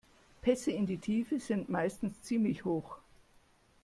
Pässe in die Tiefe sind meistens ziemlich hoch.